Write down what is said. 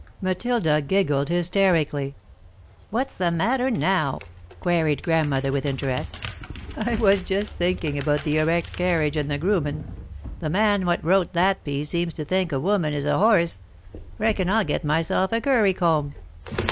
'" Matilda giggled hysterically. "What's the matter now?" queried Grandmother, with interest. "I was just thinkin' about the erect carriage and the groomin'. The man what wrote that piece seems to think a woman is a horse. Reckon I'll get myself a curry comb."